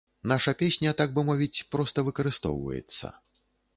Наша песня, так бы мовіць, проста выкарыстоўваецца.